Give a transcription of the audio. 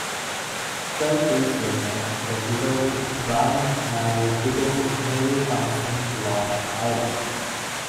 Twelve days later the widower Ryan married widow Mary Townsend Lord Cuyler.